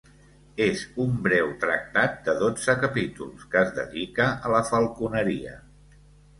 És un breu tractat de dotze capítols, que es dedica a la falconeria.